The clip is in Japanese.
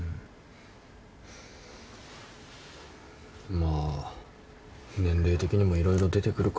まあ年齢的にも色々出てくるか。